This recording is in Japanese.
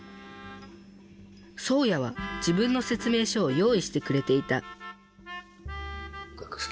そうやは自分の説明書を用意してくれていた。